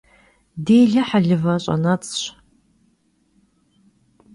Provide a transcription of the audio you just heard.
Dêle helıve ş'enets'ş.